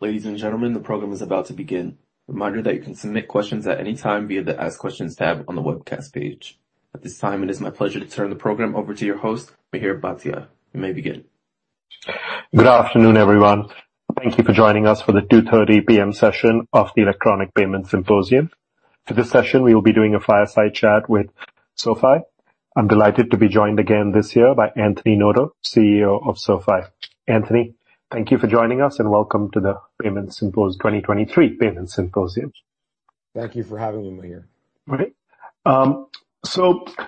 Ladies and gentlemen, the program is about to begin. Reminder that you can submit questions at any time via the Ask Questions tab on the webcast page. At this time, it is my pleasure to turn the program over to your host, Mihir Bhatia. You may begin. Good afternoon, everyone. Thank you for joining us for the 2:30 P.M. session of the Electronic Payments Symposium. For this session, we will be doing a fireside chat with SoFi. I'm delighted to be joined again this year by Anthony Noto, CEO of SoFi. Anthony, thank you for joining us, and welcome to the 2023 Payment Symposium. Thank you for having me, Mihir.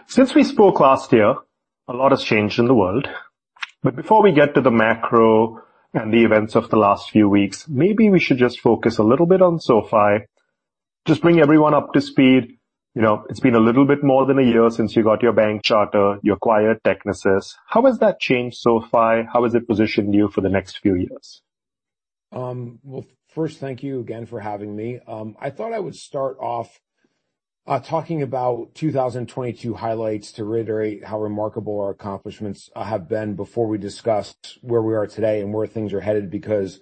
Since we spoke last year, a lot has changed in the world. Before we get to the macro and the events of the last few weeks, maybe we should just focus a little bit on SoFi. Just bring everyone up to speed. You know, it's been a little bit more than a year since you got your bank charter, you acquired Technisys. How has that changed SoFi? How has it positioned you for the next few years? Well, first, thank you again for having me. Well, I thought I would start off talking about 2022 highlights to reiterate how remarkable our accomplishments have been before we discuss where we are today and where things are headed, because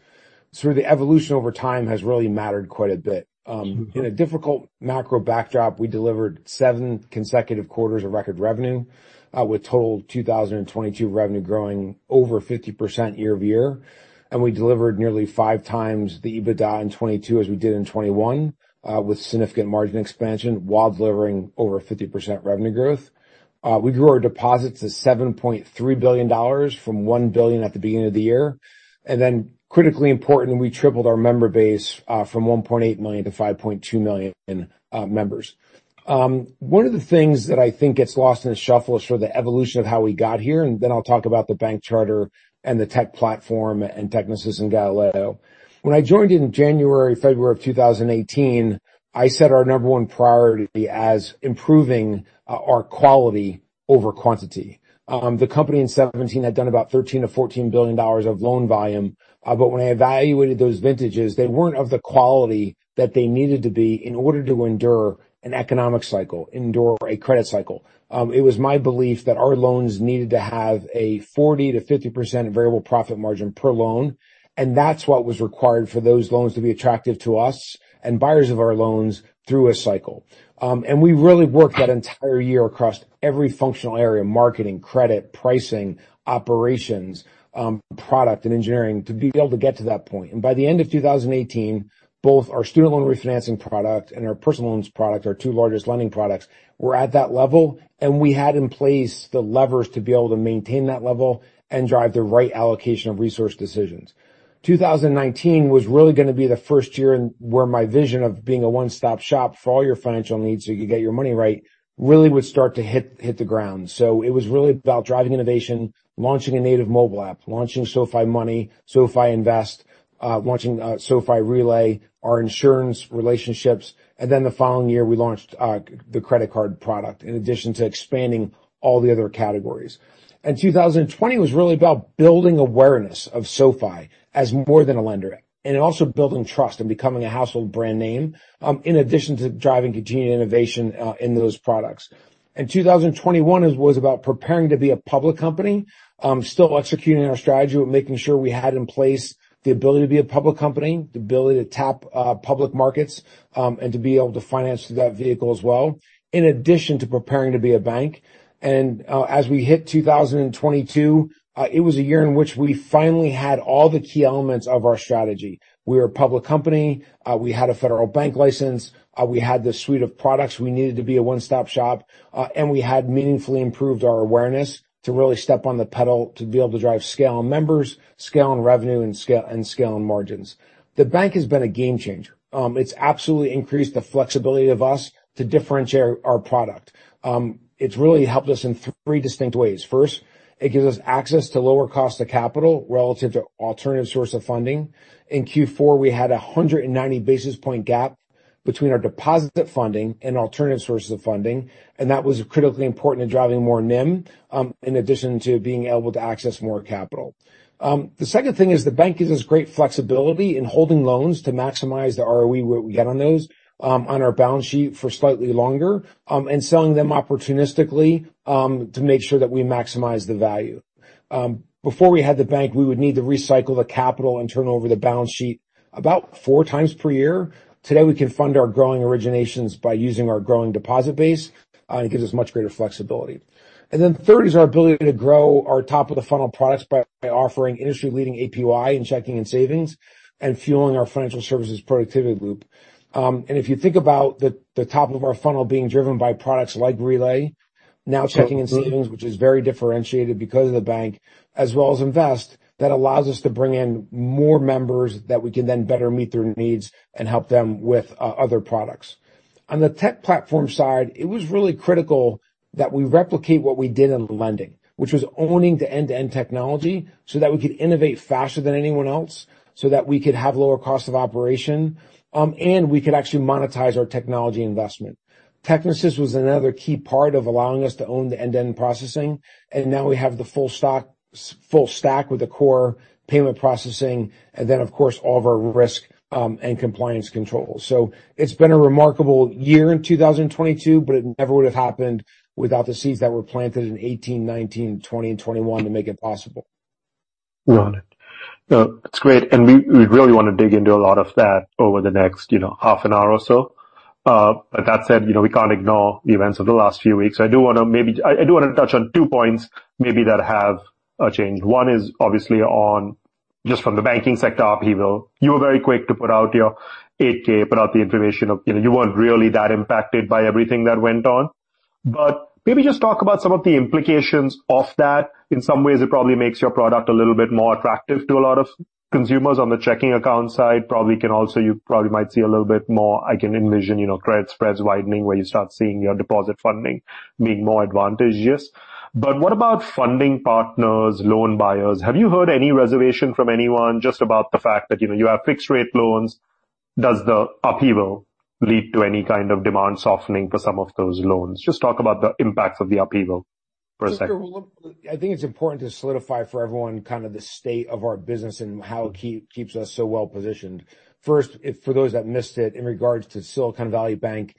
sort of the evolution over time has really mattered quite a bit. In a difficult macro backdrop, we delivered seven consecutive quarters of record revenue, with total 2022 revenue growing over 50% year-over-year. We delivered nearly 5x the EBITDA in 2022 as we did in 2021, with significant margin expansion while delivering over 50% revenue growth. We grew our deposits to $7.3 billion from $1 billion at the beginning of the year. Critically important, we tripled our member base, from 1.8 million to 5.2 million, members. One of the things that I think gets lost in the shuffle is sort of the evolution of how we got here, and then I'll talk about the bank charter and the tech platform and Technisys and Galileo. When I joined in January, February of 2018, I set our number one priority as improving, our quality over quantity. The company in 2017 had done about $13 billion-$14 billion of loan volume. When I evaluated those vintages, they weren't of the quality that they needed to be in order to endure an economic cycle, endure a credit cycle. It was my belief that our loans needed to have a 40%-50% variable profit margin per loan. That's what was required for those loans to be attractive to us and buyers of our loans through a cycle. We really worked that entire year across every functional area, marketing, credit, pricing, operations, product and engineering, to be able to get to that point. By the end of 2018, both our student loan refinancing product and our personal loans product, our two largest lending products, were at that level. We had in place the levers to be able to maintain that level and drive the right allocation of resource decisions. 2019 was really gonna be the first year where my vision of being a one-stop-shop for all your financial needs, so you could get your money right, really would start to hit the ground. It was really about driving innovation, launching a native mobile app, launching SoFi Money, SoFi Invest, launching SoFi Relay, our insurance relationships. The following year, we launched the credit card product, in addition to expanding all the other categories. 2020 was really about building awareness of SoFi as more than a lender, and also building trust and becoming a household brand name, in addition to driving continued innovation in those products. 2021 was about preparing to be a public company, still executing our strategy, but making sure we had in place the ability to be a public company, the ability to tap public markets, and to be able to finance through that vehicle as well, in addition to preparing to be a bank. As we hit 2022, it was a year in which we finally had all the key elements of our strategy. We were a public company, we had a federal bank license, we had the suite of products we needed to be a one-stop shop, and we had meaningfully improved our awareness to really step on the pedal to be able to drive scale on members, scale on revenue, and scale on margins. The bank has been a game changer. It's absolutely increased the flexibility of us to differentiate our product. It's really helped us in three distinct ways. First, it gives us access to lower cost of capital relative to alternative source of funding. In Q4, we had a 190 basis point gap between our deposit funding and alternative sources of funding, and that was critically important in driving more NIM, in addition to being able to access more capital. The second thing is the bank gives us great flexibility in holding loans to maximize the ROE what we get on those, on our balance sheet for slightly longer, and selling them opportunistically, to make sure that we maximize the value. Before we had the bank, we would need to recycle the capital and turn over the balance sheet about four times per year. Today, we can fund our growing originations by using our growing deposit base. It gives us much greater flexibility. Third is our ability to grow our top-of-the-funnel products by offering industry-leading APY and checking and savings and fueling our financial services productivity loop. If you think about the top of our funnel being driven by products like Relay, now checking and savings, which is very differentiated because of the bank, as well as Invest, that allows us to bring in more members that we can then better meet their needs and help them with other products. On the tech platform side, it was really critical that we replicate what we did in lending, which was owning the end-to-end technology so that we could innovate faster than anyone else, so that we could have lower cost of operation, and we could actually monetize our technology investment. Technisys was another key part of allowing us to own the end-to-end processing, and now we have the full stack with the core payment processing and then, of course, all of our risk and compliance controls. It's been a remarkable year in 2022, but it never would have happened without the seeds that were planted in 2018, 2019, 2020 and 2021 to make it possible. Got it. That's great. We really wanna dig into a lot of that over the next, you know, half an hour or so. That said, you know, we can't ignore the events of the last few weeks. I do wanna touch on two points maybe that have changed. One is obviously on just from the banking sector upheaval. You were very quick to put out your 8-K, put out the information of, you know, you weren't really that impacted by everything that went on. Maybe just talk about some of the implications of that. In some ways, it probably makes your product a little bit more attractive to a lot of consumers on the checking account side. Probably you probably might see a little bit more, I can envision, you know, credit spreads widening where you start seeing your deposit funding being more advantageous. What about funding partners, loan buyers? Have you heard any reservation from anyone just about the fact that, you know, you have fixed rate loans, does the upheaval lead to any kind of demand softening for some of those loans? Just talk about the impacts of the upheaval for a second. Sure. Well, look, I think it's important to solidify for everyone kinda the state of our business and how it keeps us so well-positioned. First, if for those that missed it in regards to Silicon Valley Bank,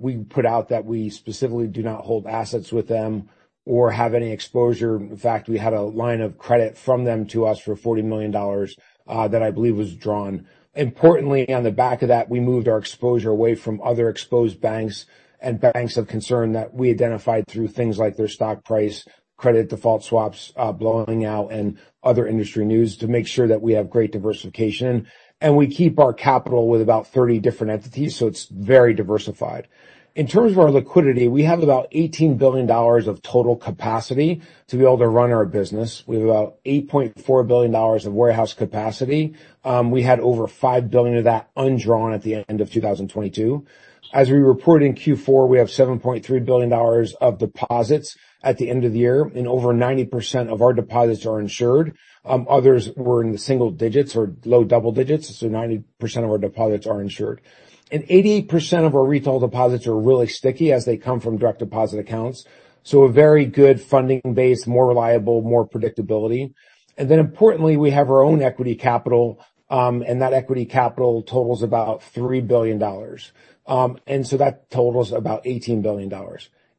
we put out that we specifically do not hold assets with them or have any exposure. In fact, we had a line of credit from them to us for $40 million that I believe was drawn. Importantly, on the back of that, we moved our exposure away from other exposed banks and banks of concern that we identified through things like their stock price, credit default swaps, blowing out and other industry news to make sure that we have great diversification. We keep our capital with about 30 different entities, so it's very diversified. In terms of our liquidity, we have about $18 billion of total capacity to be able to run our business. We have about $8.4 billion of warehouse capacity. We had over $5 billion of that undrawn at the end of 2022. As we reported in Q4, we have $7.3 billion of deposits at the end of the year, and over 90% of our deposits are insured. Others were in the single digits or low double digits. 90% of our deposits are insured. 88% of our retail deposits are really sticky as they come from direct deposit accounts. A very good funding base, more reliable, more predictability. Importantly, we have our own equity capital, and that equity capital totals about $3 billion. That totals about $18 billion.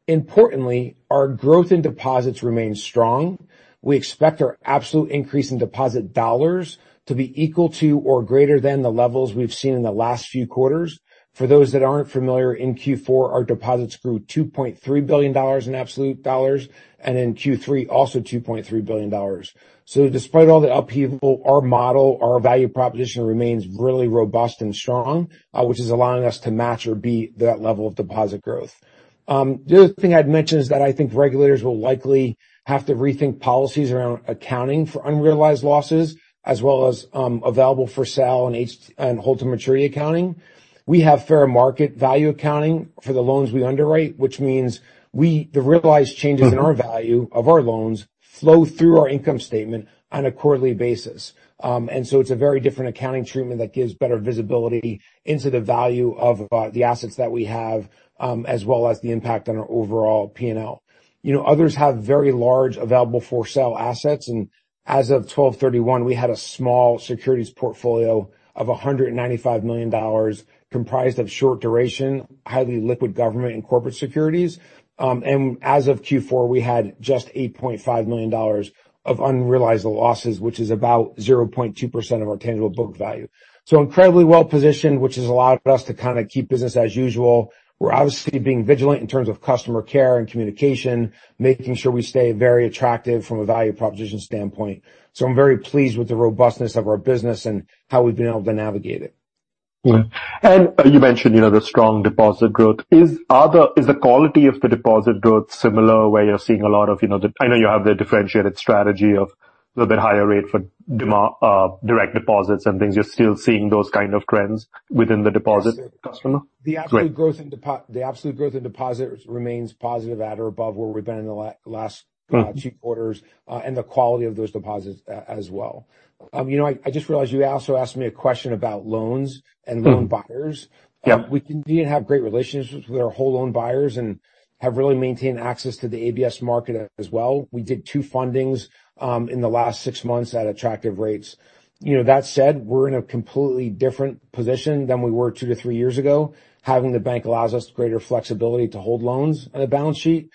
Importantly, our growth in deposits remains strong. We expect our absolute increase in deposit dollars to be equal to or greater than the levels we've seen in the last few quarters. For those that aren't familiar, in Q4, our deposits grew $2.3 billion in absolute dollars, and in Q3, also $2.3 billion. Despite all the upheaval, our model, our value proposition remains really robust and strong, which is allowing us to match or beat that level of deposit growth. The other thing I'd mention is that I think regulators will likely have to rethink policies around accounting for unrealized losses, as well as, available-for-sale and held-to-maturity accounting. We have fair market value accounting for the loans we underwrite, which means we... the realized changes in our value of our loans flow through our income statement on a quarterly basis. It's a very different accounting treatment that gives better visibility into the value of the assets that we have, as well as the impact on our overall P&L. You know, others have very large available-for-sale assets and as of 12/31, we had a small securities portfolio of $195 million comprised of short duration, highly liquid government and corporate securities. As of Q4, we had just $8.5 million of unrealized losses, which is about 0.2% of our tangible book value. Incredibly well-positioned, which has allowed us to kinda keep business as usual. We're obviously being vigilant in terms of customer care and communication, making sure we stay very attractive from a value proposition standpoint. I'm very pleased with the robustness of our business and how we've been able to navigate it. Yeah. You mentioned, you know, the strong deposit growth. Is the quality of the deposit growth similar, where you're seeing a lot of, you know, I know you have the differentiated strategy of a little bit higher rate for direct deposits and things. You're still seeing those kind of trends within the deposit customer? The absolute growth in the absolute growth in deposits remains positive at or above where we've been in the last two quarters, and the quality of those deposits as well. you know, I just realized you also asked me a question about loans and loan buyers. Yeah. We continue to have great relationships with our whole loan buyers and have really maintained access to the ABS market as well. We did two fundings in the last six months at attractive rates. You know, that said, we're in a completely different position than we were two to three years ago. Having the bank allows us greater flexibility to hold loans on the balance sheet.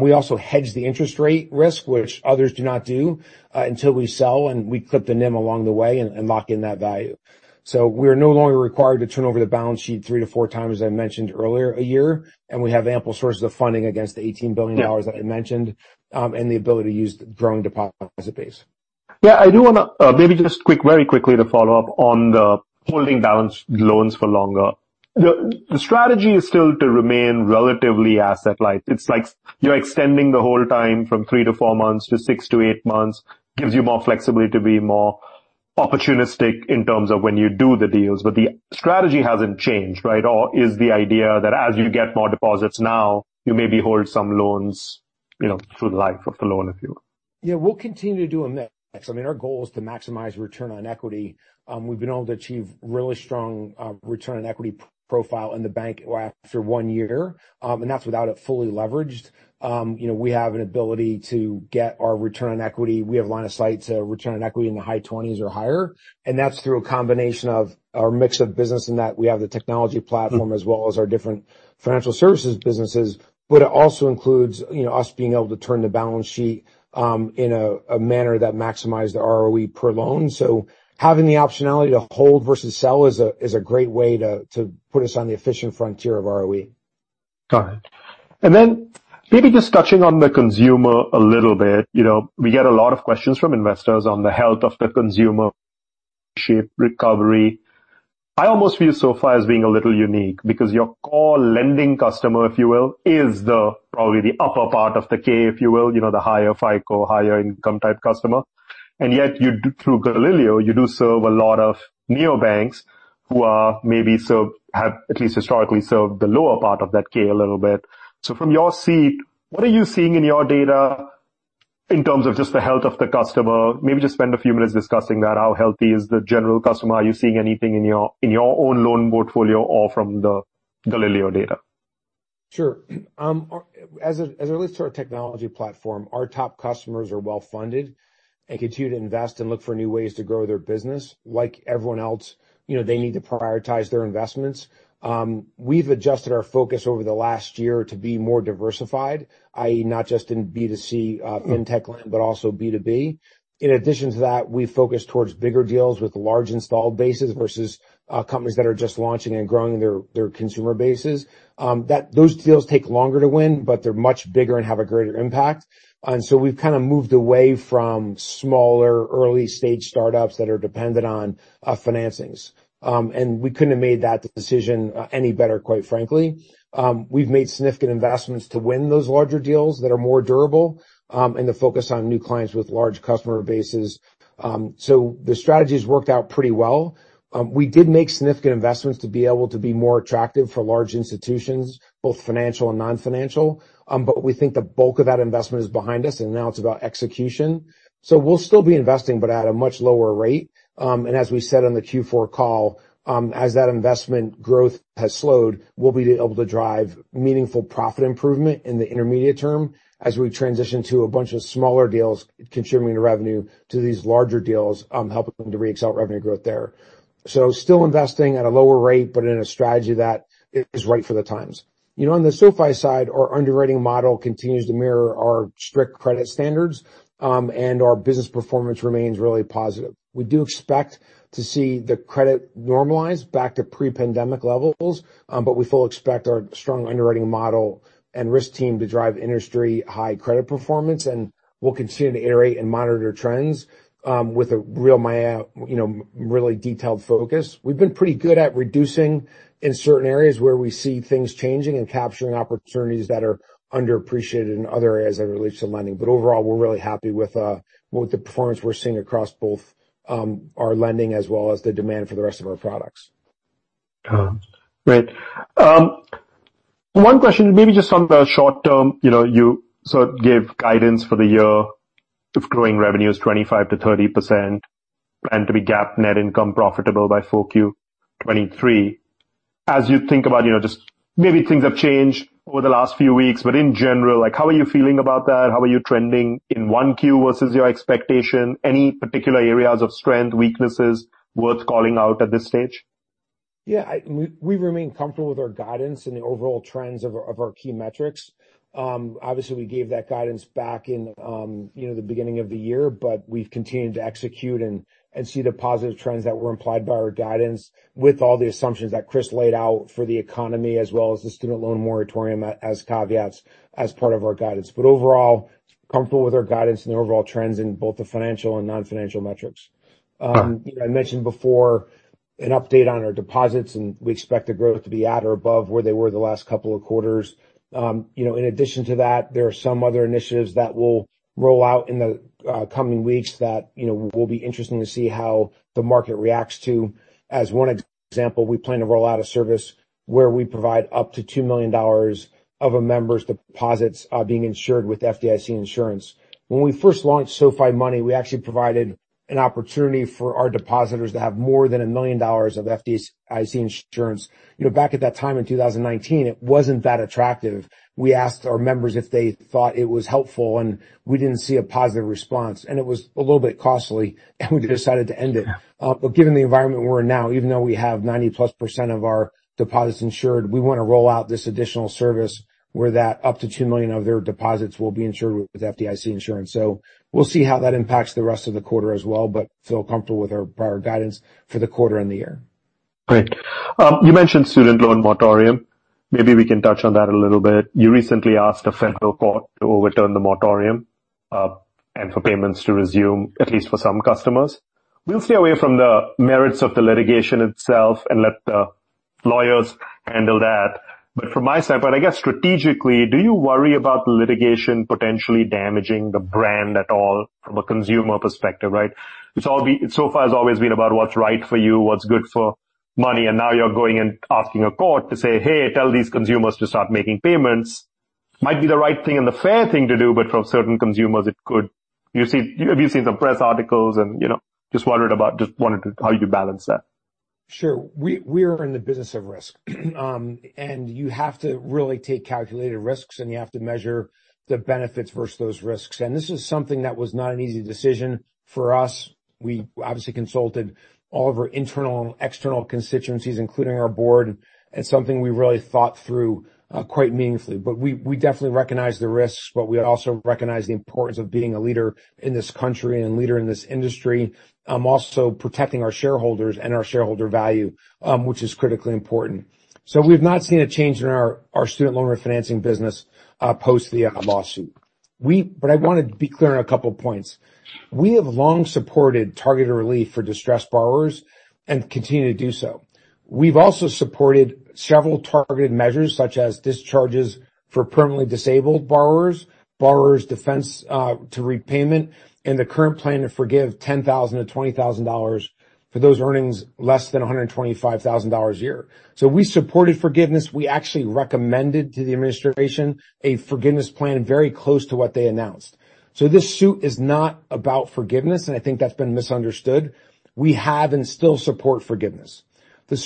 We also hedge the interest rate risk, which others do not do, until we sell, and we clip the NIM along the way and lock in that value. We're no longer required to turn over the balance sheet three to four times, as I mentioned earlier, a year, and we have ample sources of funding against the $18 billion that I mentioned and the ability to use the growing deposit base. Yeah, I do wanna very quickly to follow up on the holding balance loans for longer. The strategy is still to remain relatively asset-light. It's like you're extending the whole time from three to four months to six to eight months, gives you more flexibility to be more opportunistic in terms of when you do the deals. The strategy hasn't changed, right? Is the idea that as you get more deposits now, you maybe hold some loans, you know, through the life of the loan, if you will? We'll continue to do a mix. I mean, our goal is to maximize return on equity. We've been able to achieve really strong return on equity profile in the bank after one year, and that's without it fully leveraged. You know, we have an ability to get our return on equity. We have line of sight to return on equity in the high 20s or higher, and that's through a combination of our mix of business in that we have the technology platform as well as our different financial services businesses. It also includes, you know, us being able to turn the balance sheet in a manner that maximize the ROE per loan. Having the optionality to hold versus sell is a great way to put us on the efficient frontier of ROE. Got it. Maybe just touching on the consumer a little bit. You know, we get a lot of questions from investors on the health of the consumer shape recovery. I almost view SoFi as being a little unique because your core lending customer, if you will, is probably the upper part of the K, if you will, you know, the higher FICO, higher income type customer. You do through Galileo, you do serve a lot of neobanks who are maybe have at least historically served the lower part of that K a little bit. From your seat, what are you seeing in your data in terms of just the health of the customer? Maybe just spend a few minutes discussing that. How healthy is the general customer? Are you seeing anything in your, in your own loan portfolio or from the Galileo data? Sure. As it relates to our technology platform, our top customers are well-funded and continue to invest and look for new ways to grow their business. Like everyone else, you know, they need to prioritize their investments. We've adjusted our focus over the last year to be more diversified, i.e., not just in B2C fintech lending, but also B2B. In addition to that, we focus towards bigger deals with large installed bases versus companies that are just launching and growing their consumer bases. Those deals take longer to win, but they're much bigger and have a greater impact. We've kind of moved away from smaller early-stage startups that are dependent on financings. We couldn't have made that decision any better, quite frankly. We've made significant investments to win those larger deals that are more durable and to focus on new clients with large customer bases. The strategy's worked out pretty well. We did make significant investments to be able to be more attractive for large institutions, both financial and non-financial. We think the bulk of that investment is behind us, and now it's about execution. We'll still be investing, but at a much lower rate. As we said on the Q4 call, as that investment growth has slowed, we'll be able to drive meaningful profit improvement in the intermediate term as we transition to a bunch of smaller deals contributing to revenue to these larger deals, helping to reaccelerate revenue growth there. Still investing at a lower rate, but in a strategy that is right for the times. You know, on the SoFi side, our underwriting model continues to mirror our strict credit standards, and our business performance remains really positive. We do expect to see the credit normalize back to pre-pandemic levels, but we fully expect our strong underwriting model and risk team to drive industry-high credit performance, and we'll continue to iterate and monitor trends, you know, really detailed focus. We've been pretty good at reducing in certain areas where we see things changing and capturing opportunities that are underappreciated in other areas that relates to lending. Overall, we're really happy with the performance we're seeing across both our lending as well as the demand for the rest of our products. Got it. Great. One question, maybe just on the short term. You know, you sort of gave guidance for the year of growing revenues 25%-30% and to be GAAP net income profitable by full Q 2023. As you think about, you know, just maybe things have changed over the last few weeks, but in general, like, how are you feeling about that? How are you trending in 1Q versus your expectation? Any particular areas of strength, weaknesses worth calling out at this stage? Yeah. I We remain comfortable with our guidance and the overall trends of our key metrics. Obviously we gave that guidance back in, you know, the beginning of the year, but we've continued to execute and see the positive trends that were implied by our guidance with all the assumptions that Chris laid out for the economy as well as the student loan moratorium as caveats as part of our guidance. Overall, comfortable with our guidance and the overall trends in both the financial and non-financial metrics. Got it. You know, I mentioned before an update on our deposits, and we expect the growth to be at or above where they were the last couple of quarters. You know, in addition to that, there are some other initiatives that we'll roll out in the coming weeks that, you know, will be interesting to see how the market reacts to. As one example, we plan to roll out a service where we provide up to $2 million of a member's deposits being insured with FDIC insurance. When we first launched SoFi Money, we actually provided an opportunity for our depositors to have more than $1 million of FDIC insurance. You know, back at that time in 2019, it wasn't that attractive. We asked our members if they thought it was helpful, and we didn't see a positive response, and it was a little bit costly, and we decided to end it. Given the environment we're in now, even though we have 90+% of our deposits insured, we wanna roll out this additional service where that up to $2 million of their deposits will be insured with FDIC insurance. We'll see how that impacts the rest of the quarter as well, but feel comfortable with our prior guidance for the quarter and the year. Great. You mentioned student loan moratorium. Maybe we can touch on that a little bit. You recently asked a federal court to overturn the moratorium, and for payments to resume, at least for some customers. We'll stay away from the merits of the litigation itself and let the lawyers handle that. From my side, but I guess strategically, do you worry about the litigation potentially damaging the brand at all from a consumer perspective, right? SoFi's always been about what's right for you, what's good for money, and now you're going and asking a court to say, "Hey, tell these consumers to start making payments." Might be the right thing and the fair thing to do, but for certain consumers it could. We've seen some press articles and, you know, just wanted to how you balance that. Sure. We are in the business of risk. You have to really take calculated risks, and you have to measure the benefits versus those risks. This is something that was not an easy decision for us. We obviously consulted all of our internal and external constituencies, including our board. It's something we really thought through quite meaningfully. We definitely recognize the risks, but we also recognize the importance of being a leader in this country and leader in this industry. Also protecting our shareholders and our shareholder value, which is critically important. We've not seen a change in our student loan refinancing business, post the lawsuit. I wanna be clear on a couple points. We have long supported targeted relief for distressed borrowers and continue to do so. We've also supported several targeted measures, such as discharges for permanently disabled borrowers' defense to repayment, and the current plan to forgive $10,000-$20,000 for those earnings less than $125,000 a year. We supported forgiveness. We actually recommended to the administration a forgiveness plan very close to what they announced. This suit is not about forgiveness, and I think that's been misunderstood. We have and still support forgiveness. I'm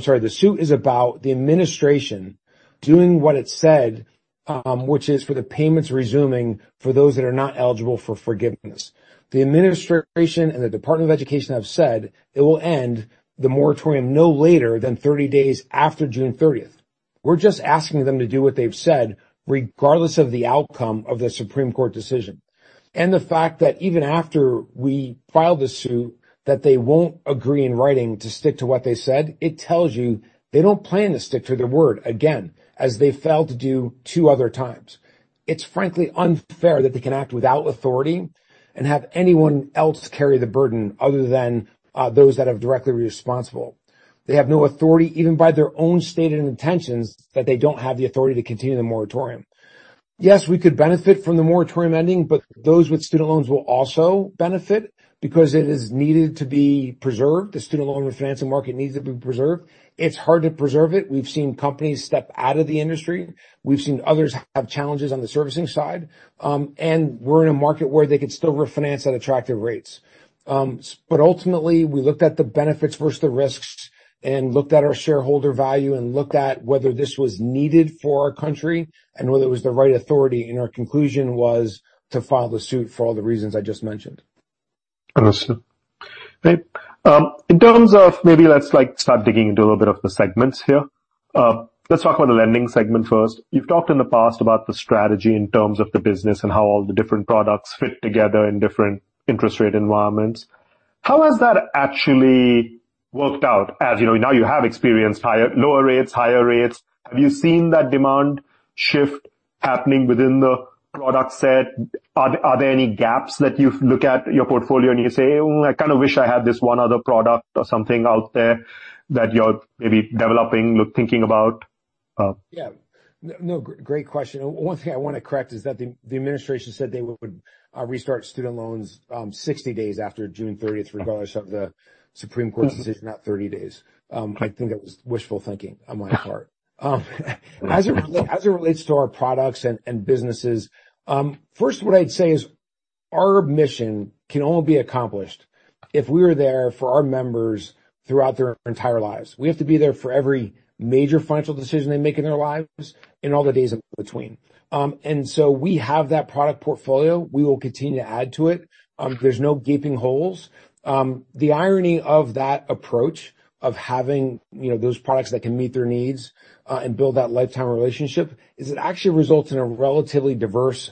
sorry. The suit is about the administration doing what it said, which is for the payments resuming for those that are not eligible for forgiveness. The administration and the Department of Education have said it will end the moratorium no later than 30 days after June 30th. We're just asking them to do what they've said, regardless of the outcome of the Supreme Court decision. The fact that even after we filed the suit that they won't agree in writing to stick to what they said, it tells you they don't plan to stick to their word again, as they failed to do two other times. It's frankly unfair that they can act without authority and have anyone else carry the burden other than those that are directly responsible. They have no authority, even by their own stated intentions, that they don't have the authority to continue the moratorium. Yes, we could benefit from the moratorium ending, but those with student loans will also benefit because it is needed to be preserved. The student loan refinancing market needs to be preserved. It's hard to preserve it. We've seen companies step out of the industry. We've seen others have challenges on the servicing side. We're in a market where they could still refinance at attractive rates. But ultimately, we looked at the benefits versus the risks and looked at our shareholder value and looked at whether this was needed for our country and whether it was the right authority. Our conclusion was to file the suit for all the reasons I just mentioned. Understood. Okay. In terms of maybe let's, like, start digging into a little bit of the segments here. Let's talk about the lending segment first. You've talked in the past about the strategy in terms of the business and how all the different products fit together in different interest rate environments. How has that actually worked out? As you know, now you have experienced lower rates, higher rates. Have you seen that demand shift happening within the product set? Are there any gaps that you've looked at your portfolio and you say, "Oh, I kinda wish I had this one other product or something out there," that you're maybe developing or thinking about? Yeah. No, great question. One thing I wanna correct is that the administration said they would restart student loans 60 days after June 30th, regardless of the Supreme Court's decision, not 30 days. I think that was wishful thinking on my part. As it relates to our products and businesses, first what I'd say is our mission can only be accomplished if we're there for our members throughout their entire lives. We have to be there for every major financial decision they make in their lives and all the days in between. We have that product portfolio. We will continue to add to it. There's no gaping holes. The irony of that approach of having, you know, those products that can meet their needs, and build that lifetime relationship is it actually results in a relatively diverse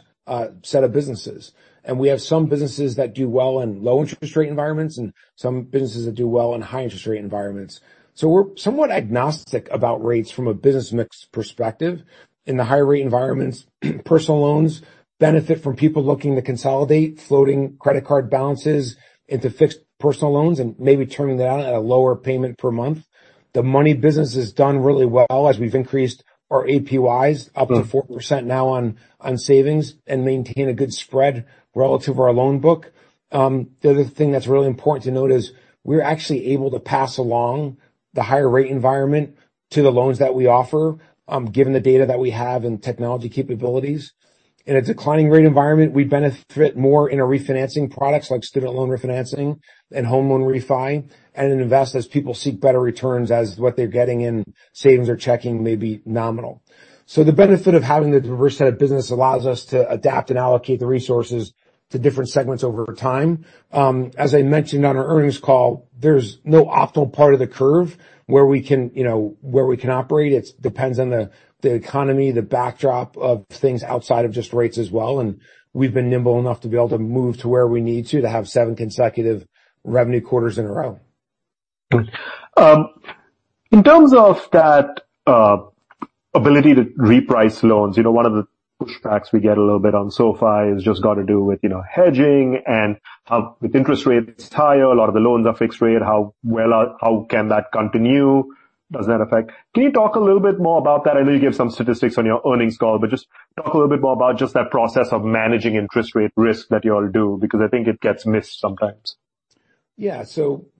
set of businesses. We have some businesses that do well in low interest rate environments and some businesses that do well in high interest rate environments. We're somewhat agnostic about rates from a business mix perspective. In the high rate environments, personal loans benefit from people looking to consolidate floating credit card balances into fixed personal loans and maybe turning that on at a lower payment per month. The money business has done really well as we've increased our APYs up to 4% now on savings and maintain a good spread relative to our loan book. The other thing that's really important to note is we're actually able to pass along the higher rate environment to the loans that we offer, given the data that we have and technology capabilities. In a declining rate environment, we benefit more in our refinancing products like student loan refinancing and home loan refi and in invest as people seek better returns as what they're getting in savings or checking may be nominal. The benefit of having the diverse set of business allows us to adapt and allocate the resources to different segments over time. As I mentioned on our earnings call, there's no optimal part of the curve where we can, you know, where we can operate. It's depends on the economy, the backdrop of things outside of just rates as well, and we've been nimble enough to be able to move to where we need to to have seven consecutive revenue quarters in a row. Good. In terms of that ability to reprice loans, you know, one of the pushbacks we get a little bit on SoFi has just got to do with, you know, hedging and how with interest rates higher, a lot of the loans are fixed rate, how can that continue? Does that affect? Can you talk a little bit more about that? I know you gave some statistics on your earnings call, but just talk a little bit more about just that process of managing interest rate risk that y'all do, because I think it gets missed sometimes. Yeah.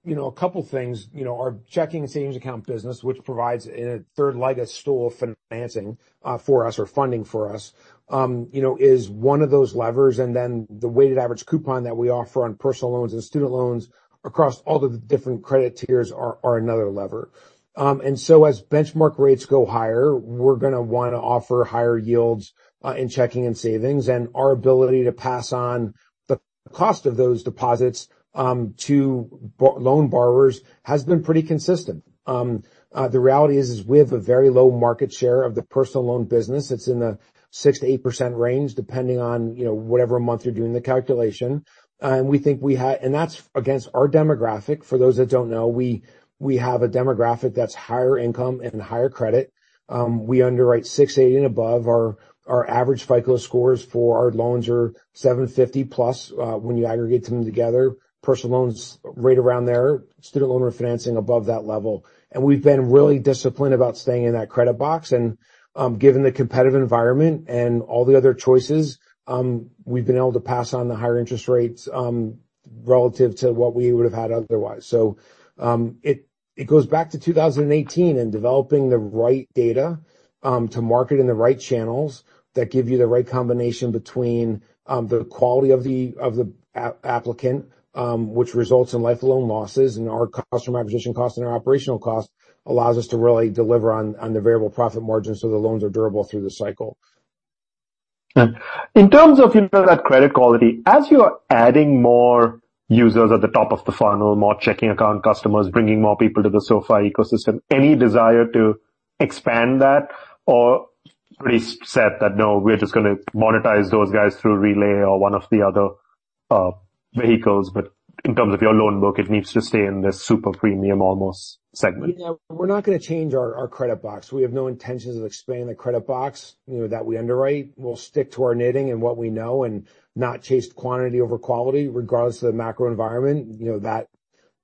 You know, a couple things. You know, our checking and savings account business, which provides a third leg of store financing for us, or funding for us, you know, is one of those levers. The weighted average coupon that we offer on personal loans and student loans across all the different credit tiers are another lever. As benchmark rates go higher, we're gonna wanna offer higher yields in checking and savings, and our ability to pass on the cost of those deposits to loan borrowers has been pretty consistent. The reality is we have a very low market share of the personal loan business. It's in the 6%-8% range, depending on, you know, whatever month you're doing the calculation. We think we have and that's against our demographic. For those that don't know, we have a demographic that's higher income and higher credit. We underwrite 680 and above. Our average FICO scores for our loans are 750+ when you aggregate them together. Personal loans right around there. Student loan refinancing above that level. We've been really disciplined about staying in that credit box. Given the competitive environment and all the other choices, we've been able to pass on the higher interest rates relative to what we would've had otherwise. It goes back to 2018 in developing the right data to market in the right channels that give you the right combination between the quality of the applicant, which results in life of loan losses and our customer acquisition cost and our operational cost allows us to really deliver on the variable profit margins so the loans are durable through the cycle. Yeah. In terms of, you know, that credit quality, as you are adding more users at the top of the funnel, more checking account customers, bringing more people to the SoFi ecosystem, any desire to expand that, or pretty set that no, we're just gonna monetize those guys through Relay or one of the other, vehicles, but in terms of your loan book, it needs to stay in this super premium almost segment? Yeah. We're not gonna change our credit box. We have no intentions of expanding the credit box, you know, that we underwrite. We'll stick to our knitting and what we know and not chase quantity over quality, regardless of the macro environment. You know, that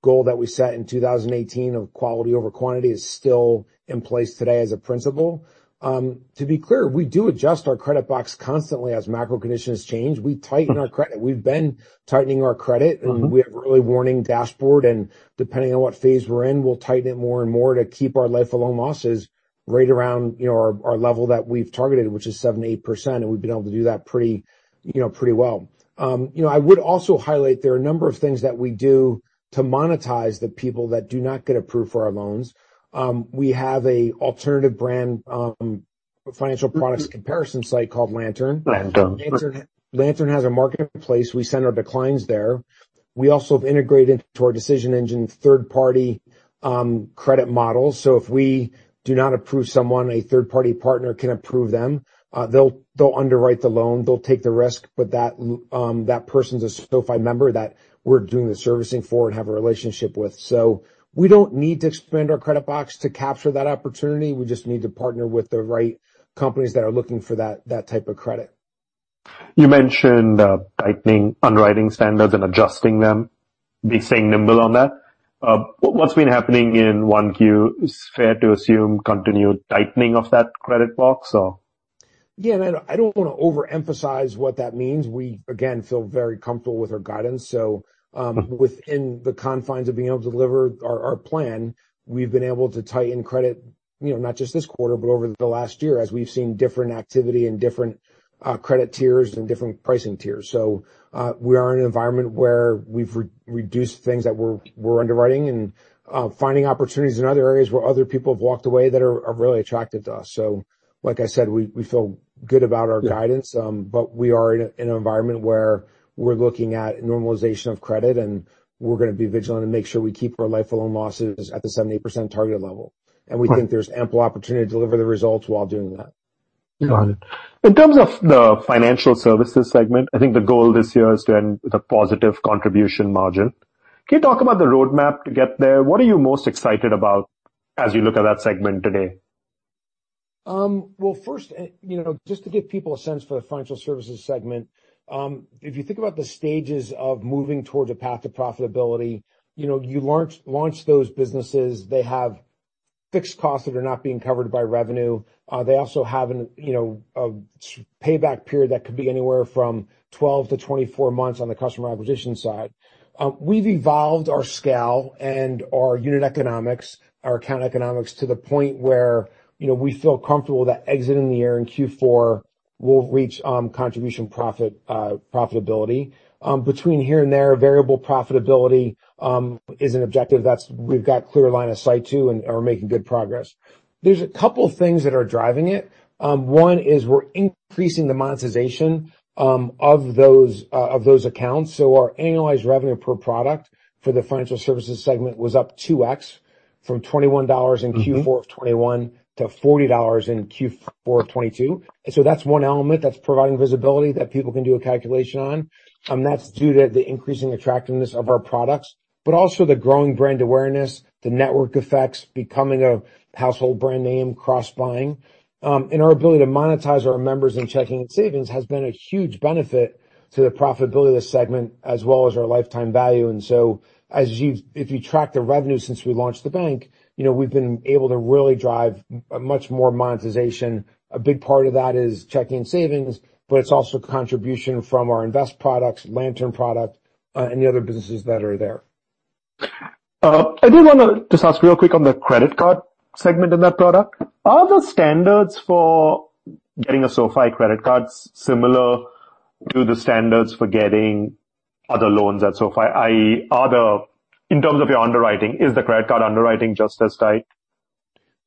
goal that we set in 2018 of quality over quantity is still in place today as a principle. To be clear, we do adjust our credit box constantly as macro conditions change. We tighten our credit. We've been tightening our credit. Mm-hmm. We have early warning dashboard, and depending on what phase we're in, we'll tighten it more and more to keep our life of loan losses right around, you know, our level that we've targeted, which is 7%-8%, and we've been able to do that pretty, you know, pretty well. You know, I would also highlight there are a number of things that we do to monetize the people that do not get approved for our loans. We have a alternative brand, financial products comparison site called Lantern. Lantern. Lantern has a marketplace. We send our declines there. We also have integrated into our decision engine third-party credit models. If we do not approve someone, a third-party partner can approve them. They'll underwrite the loan. They'll take the risk. That person's a SoFi member that we're doing the servicing for and have a relationship with. We don't need to expand our credit box to capture that opportunity. We just need to partner with the right companies that are looking for that type of credit. You mentioned tightening underwriting standards and adjusting them, staying nimble on that. What's been happening in 1Q? Is it fair to assume continued tightening of that credit box or? I don't wanna overemphasize what that means. We, again, feel very comfortable with our guidance. Within the confines of being able to deliver our plan, we've been able to tighten credit, you know, not just this quarter, but over the last year as we've seen different activity and different credit tiers and different pricing tiers. We are in an environment where we've reduced things that we're underwriting and finding opportunities in other areas where other people have walked away that are really attractive to us. Like I said, we feel good about our guidance. Yeah. We are in an environment where we're looking at normalization of credit, and we're gonna be vigilant and make sure we keep our life of loan losses at the 78% target level. Right. We think there's ample opportunity to deliver the results while doing that. Got it. In terms of the financial services segment, I think the goal this year is to end with a positive contribution margin. Can you talk about the roadmap to get there? What are you most excited about as you look at that segment today? Just to give people a sense for the financial services segment, if you think about the stages of moving towards a path to profitability, you launch those businesses. They have fixed costs that are not being covered by revenue. They also have a payback period that could be anywhere from 12-24 months on the customer acquisition side. We've evolved our scale and our unit economics, our account economics, to the point where we feel comfortable that exiting the year in Q4, we'll reach contribution profit profitability. Between here and there, variable profitability is an objective we've got clear line of sight to and are making good progress. There's a couple things that are driving it. One is we're increasing the monetization of those accounts. Our annualized revenue per product for the financial services segment was up 2x from $21 in Q4 of 2021 to $40 in Q4 of 2022. That's one element that's providing visibility that people can do a calculation on. That's due to the increasing attractiveness of our products, but also the growing brand awareness, the network effects, becoming a household brand name, cross-buying. Our ability to monetize our members in checking and savings has been a huge benefit to the profitability of the segment as well as our lifetime value. As if you track the revenue since we launched the bank, you know, we've been able to really drive much more monetization. A big part of that is checking, savings, but it's also contribution from our invest products, Lantern product, and the other businesses that are there. I did wanna just ask real quick on the credit card segment in that product. Are the standards for getting a SoFi Credit Card similar to the standards for getting other loans at SoFi? IE, in terms of your underwriting, is the credit card underwriting just as tight?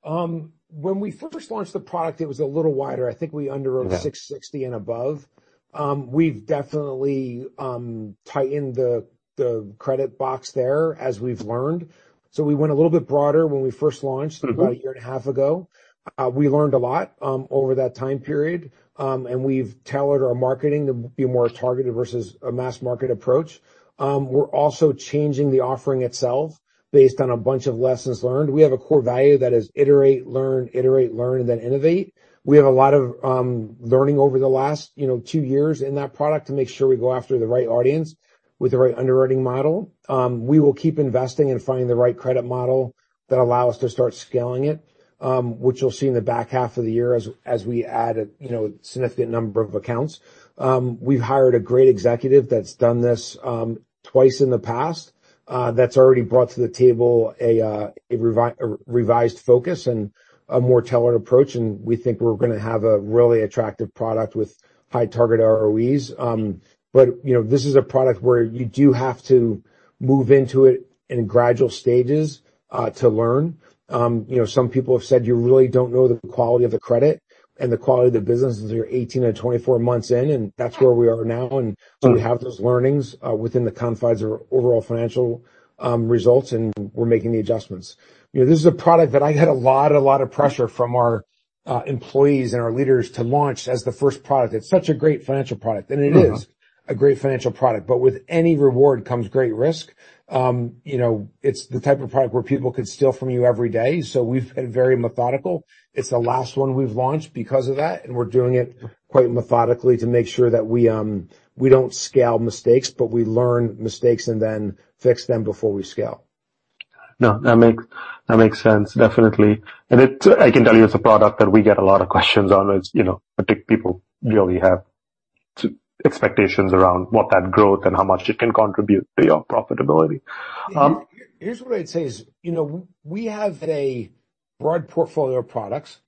When we first launched the product, it was a little wider. I think we underwrote 660 and above. We've definitely tightened the credit box there as we've learned. We went a little bit broader when we first launched. Mm-hmm. About a year and a half ago. We learned a lot over that time period. We've tailored our marketing to be more targeted versus a mass market approach. We're also changing the offering itself. Based on a bunch of lessons learned. We have a core value that is iterate, learn, iterate, learn, and then innovate. We have a lot of learning over the last, you know, two years in that product to make sure we go after the right audience with the right underwriting model. We will keep investing in finding the right credit model that allow us to start scaling it, which you'll see in the back half of the year as we add, you know, a significant number of accounts. We've hired a great executive that's done this, twice in the past, that's already brought to the table a revised focus and a more tailored approach, and we think we're gonna have a really attractive product with high target ROEs. You know, this is a product where you do have to move into it in gradual stages, to learn. You know, some people have said you really don't know the quality of the credit and the quality of the business until you're 18 or 24 months in, and that's where we are now. We have those learnings, within the confines of our overall financial results and we're making the adjustments. You know, this is a product that I get a lot of pressure from our employees and our leaders to launch as the first product. It's such a great financial product. It is a great financial product, with any reward comes great risk. You know, it's the type of product where people could steal from you every day. We've been very methodical. It's the last one we've launched because of that. We're doing it quite methodically to make sure that we don't scale mistakes, but we learn mistakes and then fix them before we scale. No, that makes sense. Definitely. I can tell you it's a product that we get a lot of questions on as, you know, I think people really have expectations around what that growth and how much it can contribute to your profitability. Here's what I'd say is, you know, we have a broad portfolio of products.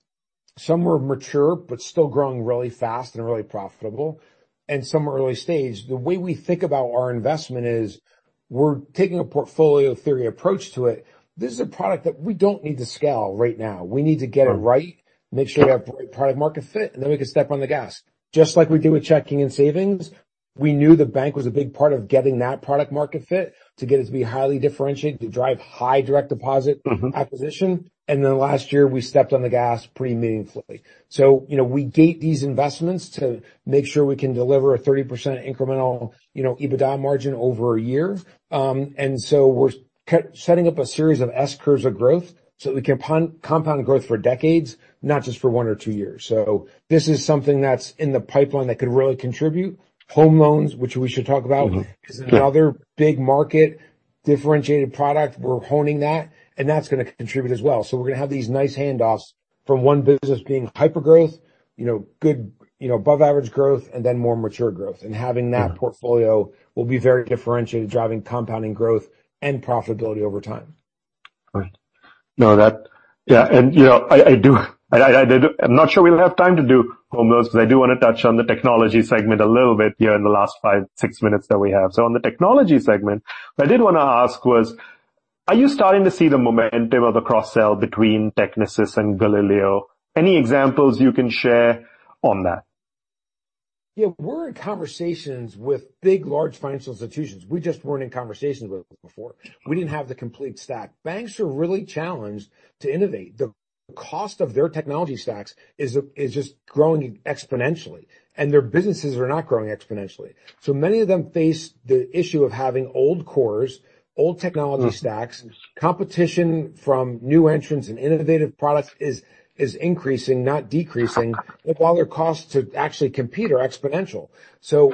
Some are mature but still growing really fast and really profitable, and some are early stage. The way we think about our investment is we're taking a portfolio theory approach to it. This is a product that we don't need to scale right now. We need to get it right, make sure we have the right product market fit, and then we can step on the gas. Just like we do with checking and savings, we knew the bank was a big part of getting that product market fit to get us to be highly differentiated, to drive high direct deposit acquisition. Mm-hmm. Last year, we stepped on the gas pretty meaningfully. You know, we gate these investments to make sure we can deliver a 30% incremental, you know, EBITDA margin over a year. Setting up a series of S curves of growth so we can compound growth for decades, not just for one or two years. This is something that's in the pipeline that could really contribute. Home loans, which we should talk about. Mm-hmm. Yeah. Is another big market differentiated product. We're honing that, and that's gonna contribute as well. We're gonna have these nice handoffs from one business being hypergrowth, you know, good, you know, above-average growth, and then more mature growth. Having that portfolio will be very differentiated, driving compounding growth and profitability over time. Right. No, that. Yeah. You know, I'm not sure we'll have time to do home loans, but I do wanna touch on the technology segment a little bit here in the last five, six minutes that we have. On the technology segment, what I did wanna ask was, are you starting to see the momentum of the cross-sell between Technisys and Galileo? Any examples you can share on that? Yeah. We're in conversations with big, large financial institutions. We just weren't in conversations with them before. We didn't have the complete stack. Banks are really challenged to innovate. The cost of their technology stacks is just growing exponentially, and their businesses are not growing exponentially. Many of them face the issue of having old cores, old technology stacks. Competition from new entrants and innovative products is increasing, not decreasing, while their costs to actually compete are exponential.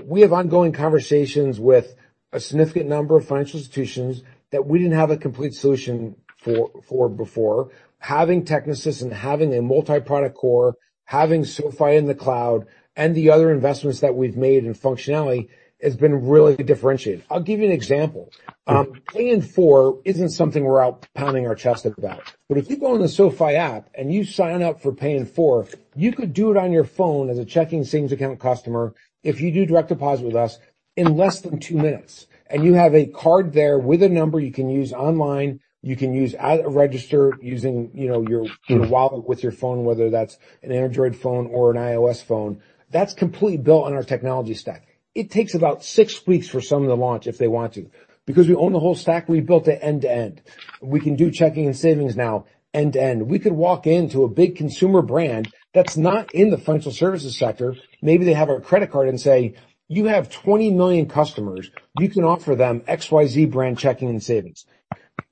We have ongoing conversations with a significant number of financial institutions that we didn't have a complete solution for before. Having Technisys and having a multi-product core, having SoFi in the cloud and the other investments that we've made in functionality has been really differentiated. I'll give you an example. Pay in 4 isn't something we're out pounding our chest about. If you go on the SoFi app and you sign up for Pay in 4, you could do it on your phone as a checking savings account customer if you do direct deposit with us in less than two minutes. You have a card there with a number you can use online. You can use at a register using, you know, your wallet with your phone, whether that's an Android phone or an iOS phone. That's completely built on our technology stack. It takes about six weeks for some of them to launch if they want to. Because we own the whole stack, we built it end to end. We can do checking and savings now end to end. We could walk into a big consumer brand that's not in the financial services sector. Maybe they have our credit card and say, "You have 20 million customers. You can offer them XYZ brand checking and savings.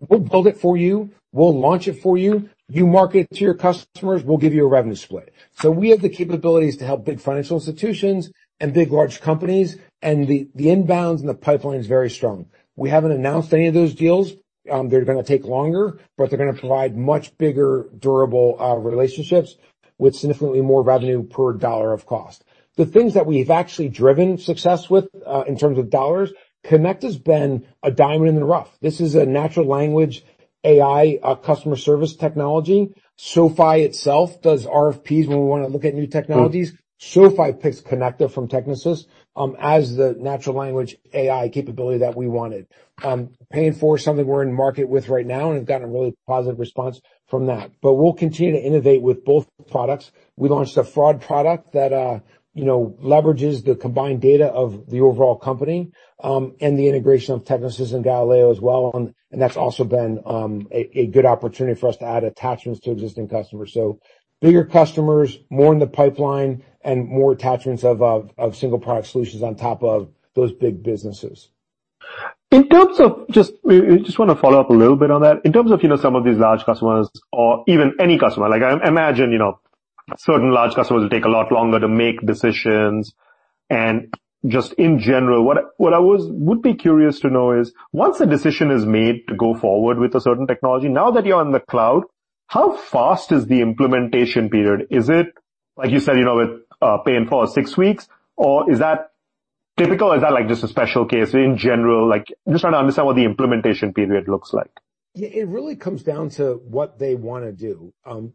We'll build it for you. We'll launch it for you. You market to your customers, we'll give you a revenue split. We have the capabilities to help big financial institutions and big large companies, and the inbounds and the pipeline is very strong. We haven't announced any of those deals. They're gonna take longer, but they're gonna provide much bigger, durable relationships with significantly more revenue per dollar of cost. The things that we've actually driven success with in terms of dollars, Connect has been a diamond in the rough. This is a natural language AI customer service technology. SoFi itself does RFPs when we wanna look at new technologies. SoFi picks Konecta from Technisys as the natural language AI capability that we wanted. Pay in 4 is something we're in market with right now, and we've gotten a really positive response from that. We'll continue to innovate with both products. We launched a fraud product that, you know, leverages the combined data of the overall company, and the integration of Technisys and Galileo as well. And that's also been a good opportunity for us to add attachments to existing customers. Bigger customers, more in the pipeline, and more attachments of single product solutions on top of those big businesses. In terms of just wanna follow up a little bit on that. In terms of, you know, some of these large customers or even any customer, like I imagine, you know, certain large customers will take a lot longer to make decisions. Just in general, what I would be curious to know is once a decision is made to go forward with a certain technology, now that you're on the cloud, how fast is the implementation period? Is it, like you said, you know, with paying for six weeks? Or is that typical or is that like just a special case? In general, like just trying to understand what the implementation period looks like. Yeah, it really comes down to what they wanna do.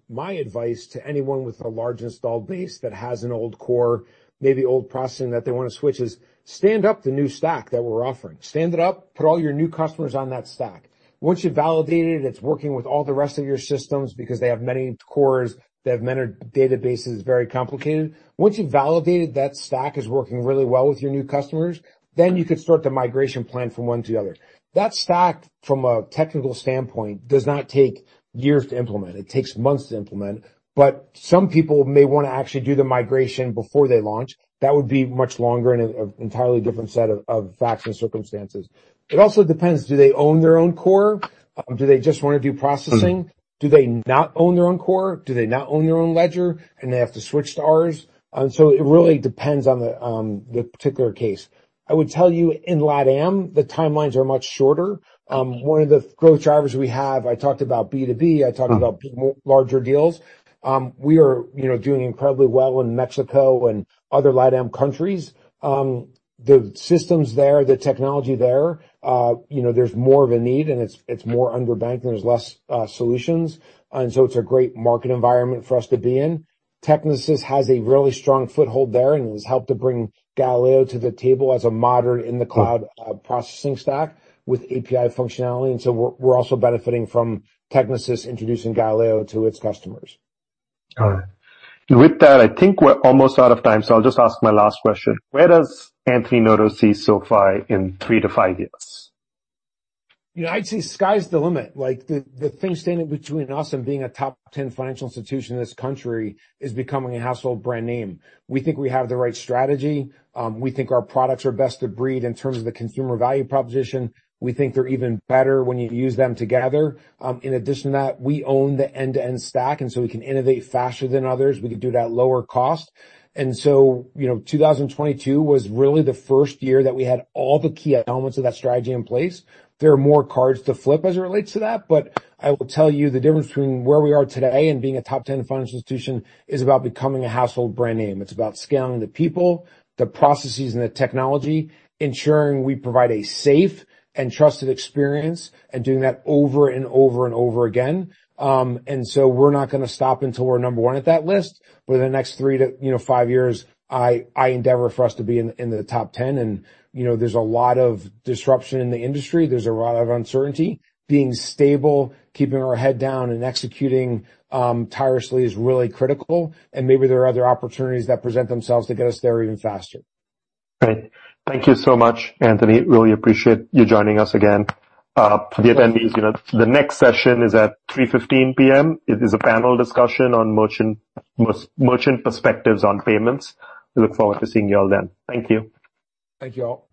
My advice to anyone with a large installed base that has an old core, maybe old processing that they wanna switch is stand up the new stack that we're offering. Stand it up, put all your new customers on that stack. Once you validate it's working with all the rest of your systems because they have many cores, they have many databases, very complicated. Once you've validated that stack is working really well with your new customers, then you can start the migration plan from one to the other. That stack from a technical standpoint, does not take years to implement. It takes months to implement. Some people may wanna actually do the migration before they launch. That would be much longer and an entirely different set of facts and circumstances. It also depends, do they own their own core? Do they just wanna do processing? Do they not own their own core? Do they not own their own ledger and they have to switch to ours? It really depends on the particular case. I would tell you in LATAM, the timelines are much shorter. One of the growth drivers we have, I talked about B2B, I talked about larger deals. We are, you know, doing incredibly well in Mexico and other LATAM countries. The systems there, the technology there, you know, there's more of a need and it's more underbanked, and there's less solutions. It's a great market environment for us to be in. Technisys has a really strong foothold there, it has helped to bring Galileo to the table as a modern in the cloud, processing stack with API functionality. We're also benefiting from Technisys introducing Galileo to its customers. Got it. With that, I think we're almost out of time. I'll just ask my last question. Where does Anthony Noto see SoFi in three to five years? You know, I'd say sky's the limit. Like the thing standing between us and being a top 10 financial institution in this country is becoming a household brand name. We think we have the right strategy. We think our products are best of breed in terms of the consumer value proposition. We think they're even better when you use them together. In addition to that, we own the end-to-end stack. We can innovate faster than others. We can do it at lower cost. You know, 2022 was really the first year that we had all the key elements of that strategy in place. There are more cards to flip as it relates to that, I will tell you the difference between where we are today and being a top 10 financial institution is about becoming a household brand name. It's about scaling the people, the processes and the technology, ensuring we provide a safe and trusted experience and doing that over and over and over again. We're not gonna stop until we're number one at that list. In the next three to, you know, five years, I endeavor for us to be in the, in the top 10. You know, there's a lot of disruption in the industry. There's a lot of uncertainty. Being stable, keeping our head down and executing tirelessly is really critical. Maybe there are other opportunities that present themselves to get us there even faster. Great. Thank you so much, Anthony. Really appreciate you joining us again. For the attendees, you know, the next session is at 3:15 P.M. It is a panel discussion on merchant perspectives on payments. Look forward to seeing you all then. Thank you. Thank you all.